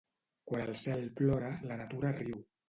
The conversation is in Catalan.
Quan el cel plora, la natura riu.